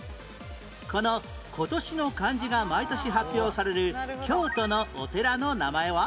この「今年の漢字」が毎年発表される京都のお寺の名前は？